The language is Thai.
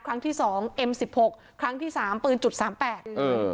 ครั้งที่สองเอ็มสิบหกครั้งที่สามปืนจุดสามแปดเออ